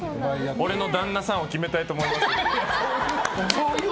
俺の旦那さんを決めたいと思います。